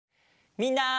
みんな！